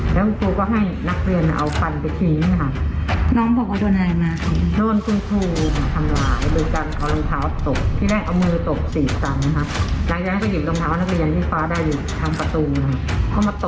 ห้างกว่าก่อนหนึ่งทั้งสองแล้วคุณคูก็ให้นักเรียนเอาฟันไป